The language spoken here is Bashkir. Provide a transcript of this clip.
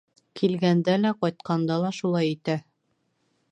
Килгәндә лә, ҡайтҡанда ла шулай итә.